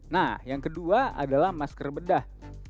nah yang kedua adalah masker bedah